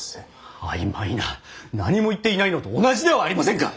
何も言っていないのと同じではありませんか！